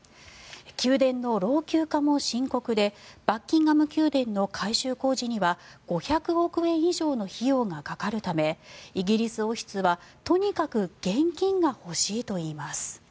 宮殿の老朽化も深刻でバッキンガム宮殿の改修工事には５００億円以上の費用がかかるためイギリス王室はとにかく現金が欲しいといいます。